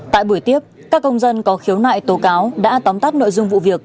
tại buổi tiếp các công dân có khiếu nại tố cáo đã tóm tắt nội dung vụ việc